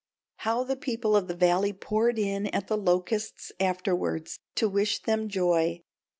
How the people of the Valley poured in at The Locusts afterward to wish them joy!